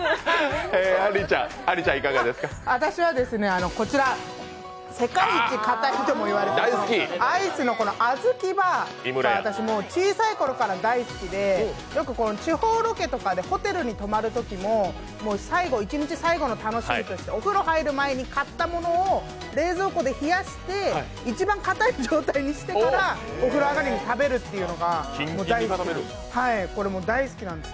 私はこちら、世界一かたいとも言われているアイスのあずきバー、私、小さい頃から大好きでよくこの地方ロケとかでホテルに泊まるときも最後、１日最後の楽しみとしてお風呂に入る前に買ったものを冷蔵庫で冷やして、一番かたい状態にしてからお風呂上がりに食べるっていうのが大好きなんです。